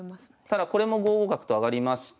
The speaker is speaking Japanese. ただこれも５五角と上がりまして。